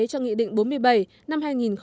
cho nghị định bốn mươi bảy